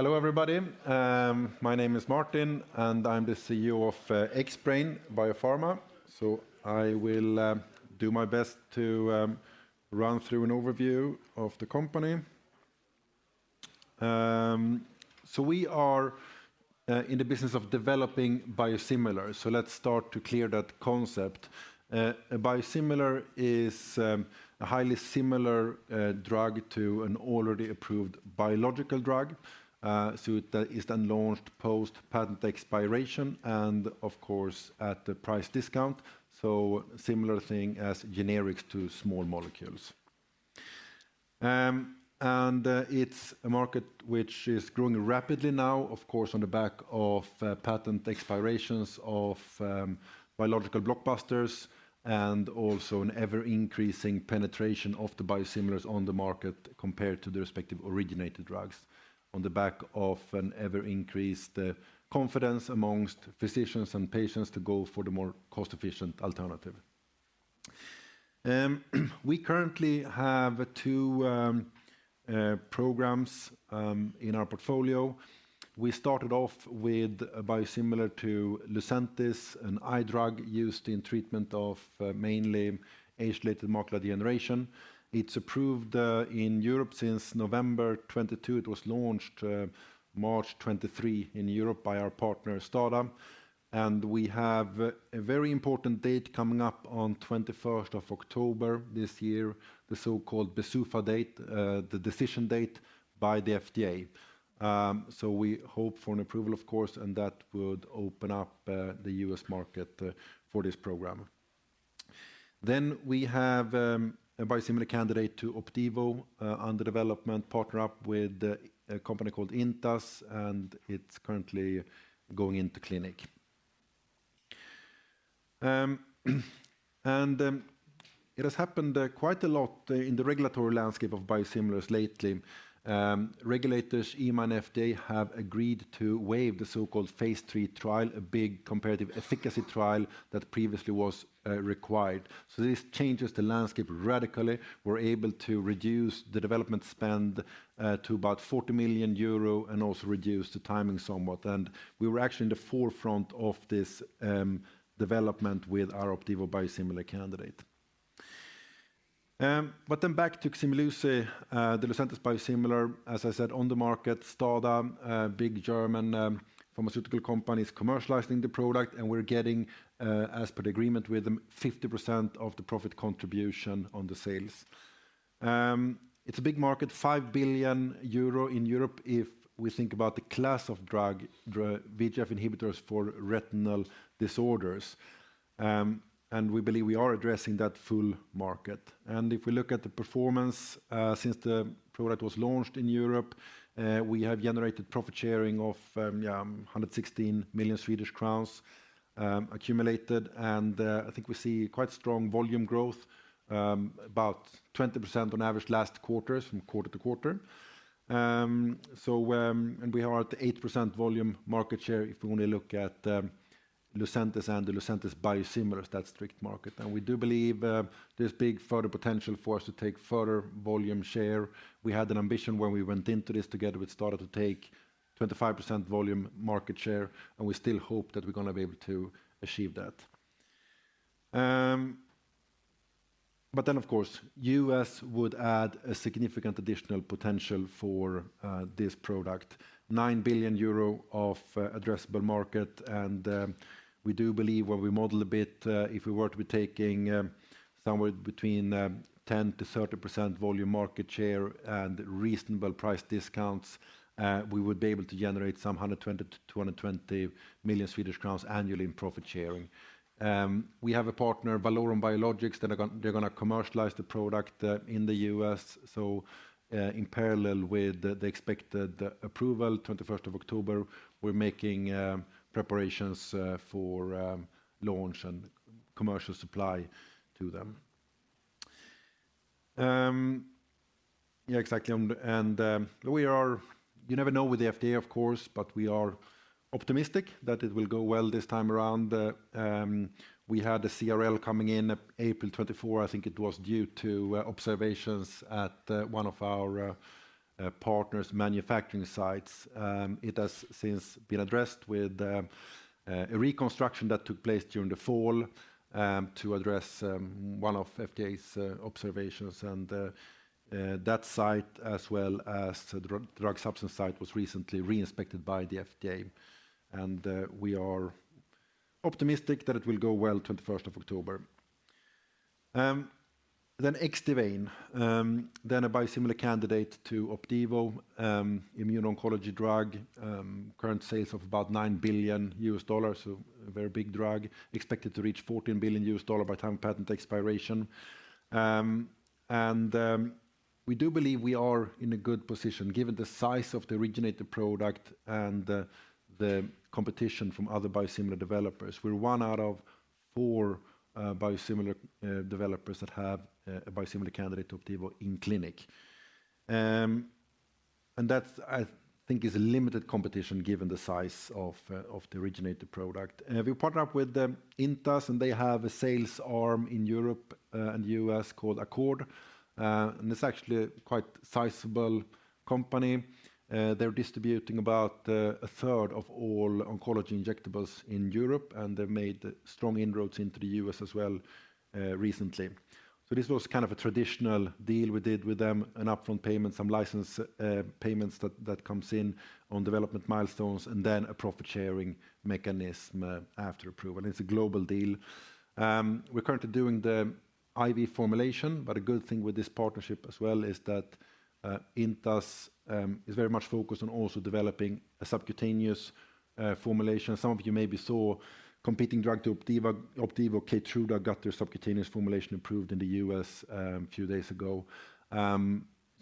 Hello, everybody. My name is Martin, and I'm the CEO of Xbrane Biopharma. So I will do my best to run through an overview of the company. So we are in the business of developing biosimilars. So let's start to clear that concept. A biosimilar is a highly similar drug to an already approved biological drug. So it is then launched post-patent expiration and, of course, at the price discount. So a similar thing as generics to small molecules. And it's a market which is growing rapidly now, of course, on the back of patent expirations of biological blockbusters and also an ever-increasing penetration of the biosimilars on the market compared to the respective originator drugs on the back of an ever-increased confidence amongst physicians and patients to go for the more cost-efficient alternative. We currently have two programs in our portfolio. We started off with a biosimilar to Lucentis, an eye drug used in treatment of mainly age-related macular degeneration. It's approved in Europe since November 2022. It was launched March 2023 in Europe by our partner STADA. And we have a very important date coming up on 21st of October this year, the so-called BsUFA date, the decision date by the FDA. So we hope for an approval, of course, and that would open up the U.S. market for this program. Then we have a biosimilar candidate to Opdivo under development, partnered up with a company called Intas, and it's currently going into clinic. And it has happened quite a lot in the regulatory landscape of biosimilars lately. Regulators, EMA and FDA, have agreed to waive the so-called Phase III trial, a big comparative efficacy trial that previously was required. So this changes the landscape radically. We're able to reduce the development spend to about 40 million euro and also reduce the timing somewhat. We were actually in the forefront of this development with our Opdivo biosimilar candidate. Then back to Ximluci, the Lucentis biosimilar, as I said, on the market, STADA, big German pharmaceutical companies commercializing the product, and we're getting, as per the agreement with them, 50% of the profit contribution on the sales. It's a big market, 5 billion euro in Europe if we think about the class of drug VEGF inhibitors for retinal disorders. We believe we are addressing that full market. If we look at the performance since the product was launched in Europe, we have generated profit sharing of 116 million Swedish crowns accumulated, and I think we see quite strong volume growth, about 20% on average last quarter from quarter to quarter. We are at the 8% volume market share if we only look at Lucentis and the Lucentis biosimilars that strict market. We do believe there's big further potential for us to take further volume share. We had an ambition when we went into this together with STADA to take 25% volume market share, and we still hope that we're going to be able to achieve that. Then, of course, the U.S. would add a significant additional potential for this product, 9 billion euro of addressable market. We do believe when we model a bit, if we were to be taking somewhere between 10%-30% volume market share and reasonable price discounts, we would be able to generate some 120 million-220 million Swedish crowns annually in profit sharing. We have a partner, Valorum Biologics, that are going to commercialize the product in the U.S. So in parallel with the expected approval, 21st of October, we're making preparations for launch and commercial supply to them. Yeah, exactly. And you never know with the FDA, of course, but we are optimistic that it will go well this time around. We had a CRL coming in April 2024, I think it was due to observations at one of our partners' manufacturing sites. It has since been addressed with a reconstruction that took place during the fall to address one of FDA's observations. And that site, as well as the drug substance site, was recently reinspected by the FDA. And we are optimistic that it will go well 21st of October. Then Xdivane, then a biosimilar candidate to Opdivo, immuno-oncology drug, current sales of about $9 billion, so a very big drug, expected to reach $14 billion by time of patent expiration. We do believe we are in a good position given the size of the originator product and the competition from other biosimilar developers. We're one out of four biosimilar developers that have a biosimilar candidate to Opdivo, in clinic. And that, I think, is limited competition given the size of the originator product. We partner up with Intas, and they have a sales arm in Europe and the U.S. called Accord. And it's actually a quite sizable company. They're distributing about a third of all oncology injectables in Europe, and they've made strong inroads into the U.S. as well recently. So this was kind of a traditional deal we did with them, an upfront payment, some license payments that comes in on development milestones, and then a profit sharing mechanism after approval. It's a global deal. We're currently doing the IV formulation, but a good thing with this partnership as well is that Intas is very much focused on also developing a subcutaneous formulation. Some of you maybe saw competing drug to Opdivo, Keytruda got their subcutaneous formulation approved in the U.S. a few days ago.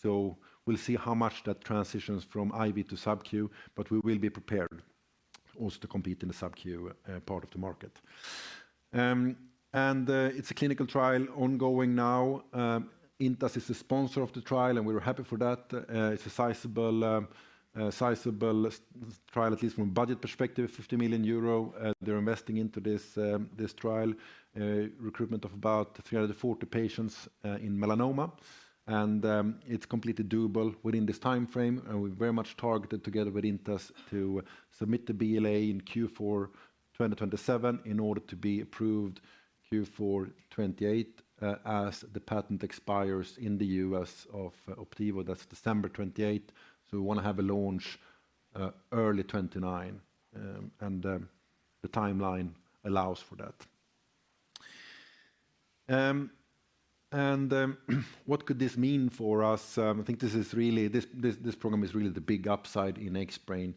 So we'll see how much that transitions from IV to Sub-Q, but we will be prepared also to compete in the Sub-Q part of the market. And it's a clinical trial ongoing now. Intas is the sponsor of the trial, and we're happy for that. It's a sizable trial, at least from a budget perspective, 50 million euro. They're investing into this trial, recruitment of about 340 patients in melanoma. And it's completely doable within this timeframe. We're very much targeted together with Intas to submit the BLA in Q4 2027 in order to be approved Q4 2028 as the patent expires in the U.S. of Opdivo. That's December 28. So we want to have a launch early 2029, and the timeline allows for that. What could this mean for us? I think this program is really the big upside in Xbrane.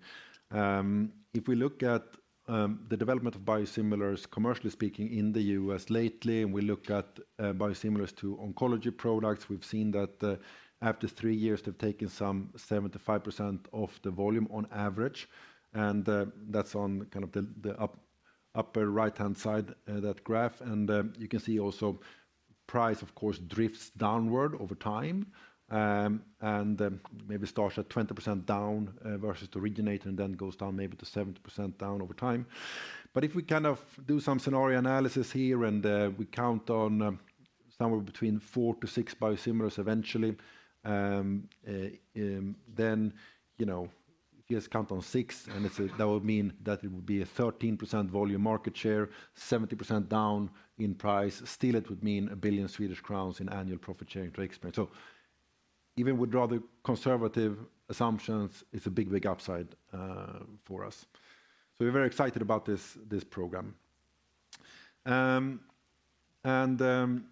If we look at the development of biosimilars, commercially speaking, in the U.S. lately, and we look at biosimilars to oncology products, we've seen that after three years, they've taken some 75% of the volume on average. That's on kind of the upper right-hand side, that graph. You can see also price, of course, drifts downward over time. Maybe starts at 20% down versus the originator and then goes down maybe to 70% down over time. But if we kind of do some scenario analysis here and we count on somewhere between four to six biosimilars eventually, then if you just count on six, that would mean that it would be a 13% volume market share, 70% down in price. Still, it would mean 1 billion Swedish crowns in annual profit sharing to Xbrane. So even with rather conservative assumptions, it's a big, big upside for us. So we're very excited about this program. And some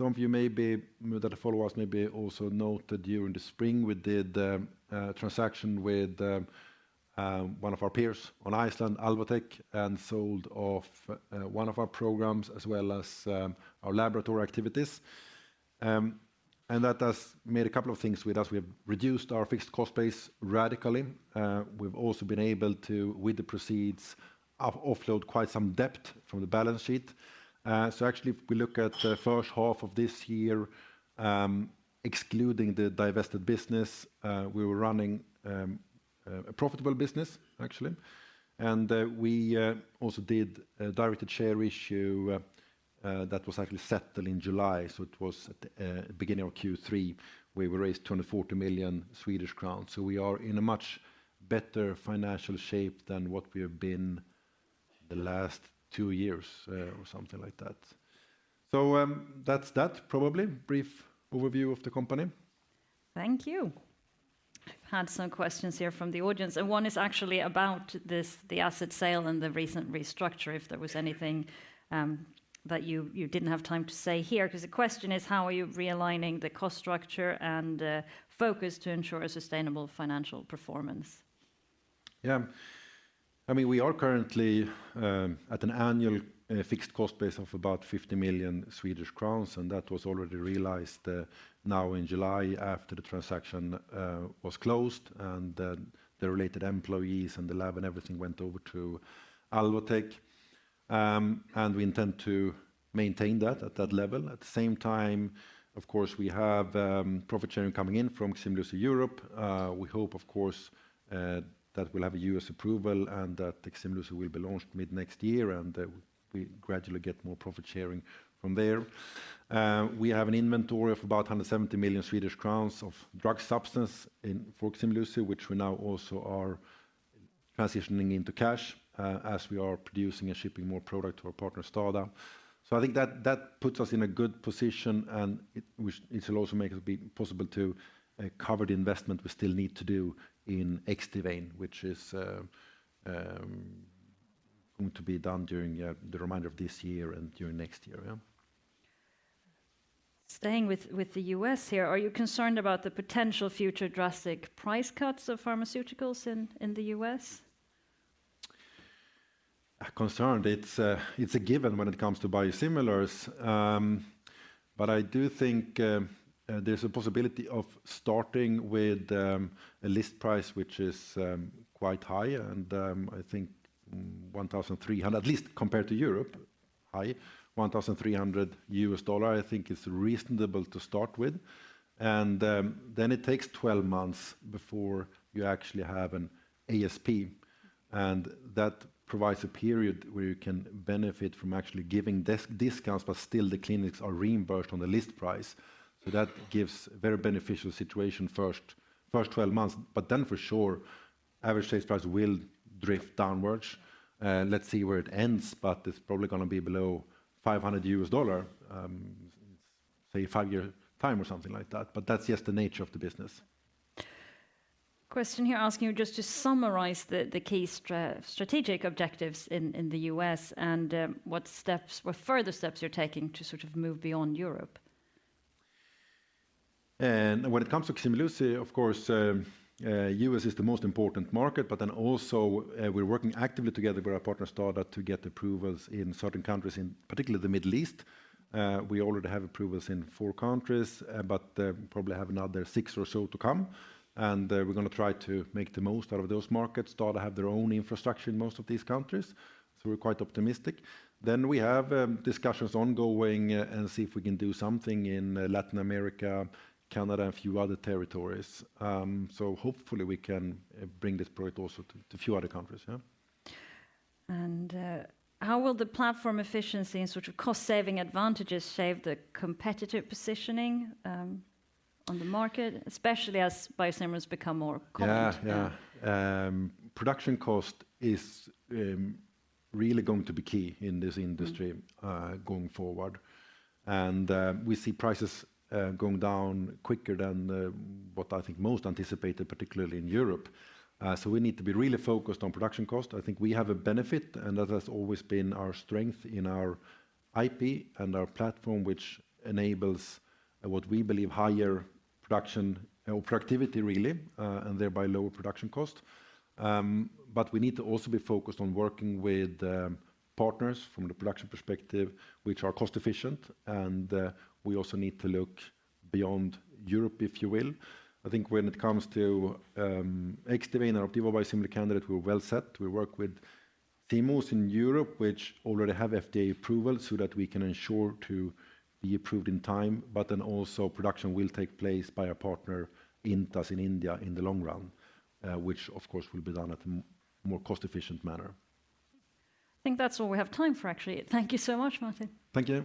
of you maybe that follow us maybe also noted during the spring, we did a transaction with one of our peers on Iceland, Alvotech, and sold off one of our programs as well as our laboratory activities. And that has made a couple of things with us. We have reduced our fixed cost base radically. We've also been able to, with the proceeds, offload quite some debt from the balance sheet. So actually, if we look at the first half of this year, excluding the divested business, we were running a profitable business, actually. And we also did a directed share issue that was actually settled in July. So it was at the beginning of Q3, we raised 240 million Swedish crowns. So we are in a much better financial shape than what we have been the last two years or something like that. So that's that, probably. Brief overview of the company. Thank you. I've had some questions here from the audience, and one is actually about the asset sale and the recent restructure, if there was anything that you didn't have time to say here. Because the question is, how are you realigning the cost structure and focus to ensure a sustainable financial performance? Yeah. I mean, we are currently at an annual fixed cost base of about 50 million Swedish crowns. And that was already realized now in July after the transaction was closed, and the related employees and the lab and everything went over to Alvotech. And we intend to maintain that at that level. At the same time, of course, we have profit sharing coming in from Ximluci Europe. We hope, of course, that we'll have a U.S. approval and that Ximluci will be launched mid next year and we gradually get more profit sharing from there. We have an inventory of about 170 million Swedish crowns of drug substance for Ximluci, which we now also are transitioning into cash as we are producing and shipping more product to our partner STADA. So I think that that puts us in a good position and it will also make it possible to cover the investment we still need to do in Xdivane, which is going to be done during the remainder of this year and during next year. Staying with the U.S. here, are you concerned about the potential future drastic price cuts of pharmaceuticals in the U.S.? Concerning, it's a given when it comes to biosimilars. But I do think there's a possibility of starting with a list price, which is quite high. And I think $1,300, at least compared to Europe, high, $1,300, I think it's reasonable to start with. And then it takes 12 months before you actually have an ASP. And that provides a period where you can benefit from actually giving discounts, but still the clinics are reimbursed on the list price. So that gives a very beneficial situation first 12 months. But then for sure, average sales price will drift downwards. Let's see where it ends, but it's probably going to be below $500, say, five years' time or something like that. But that's just the nature of the business. Question here, asking you just to summarize the key strategic objectives in the U.S. and what steps, what further steps you're taking to sort of move beyond Europe? When it comes to Ximluci, of course, the U.S. is the most important market, but then also we're working actively together with our partner STADA to get approvals in certain countries, in particular the Middle East. We already have approvals in four countries, but probably have another six or so to come, and we're going to try to make the most out of those markets. STADA have their own infrastructure in most of these countries, so we're quite optimistic, then we have discussions ongoing and see if we can do something in Latin America, Canada, and a few other territories, so hopefully we can bring this product also to a few other countries. And how will the platform efficiency and sort of cost-saving advantages shape the competitive positioning on the market, especially as biosimilars become more common? Yeah, yeah. Production cost is really going to be key in this industry going forward. And we see prices going down quicker than what I think most anticipated, particularly in Europe. So we need to be really focused on production cost. I think we have a benefit, and that has always been our strength in our IP and our platform, which enables what we believe higher production or productivity, really, and thereby lower production cost. But we need to also be focused on working with partners from the production perspective, which are cost-efficient. And we also need to look beyond Europe, if you will. I think when it comes to Xdivane and Opdivo biosimilar candidate, we're well set. We work with CMOs in Europe, which already have FDA approval so that we can ensure to be approved in time. But then also production will take place by our partner Intas in India in the long run, which of course will be done at a more cost-efficient manner. I think that's all we have time for, actually. Thank you so much, Martin. Thank you.